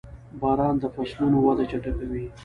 • باران د فصلونو وده چټکوي.